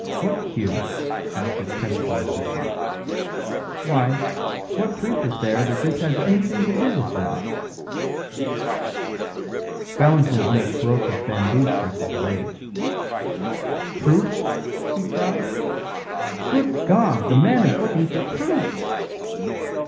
What cue?" asked his principal assistant. "Why, what proof is there that this has anything to do with them?" Valentin almost broke his bamboo stick with rage. "Proof!" he cried. "Good God! the man is looking for proof!